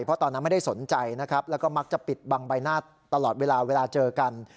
เพราะตอนนั้นไม่ได้สนใจนะครับแล้วก็มักจะปิดบังใบหน้าตลอดเวลาเวลาเจอกัน